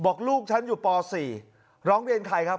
บอกลูกฉันอยู่ป๔ร้องเรียนใครครับ